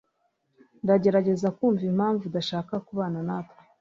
Ndagerageza kumva impamvu udashaka kubana natwe.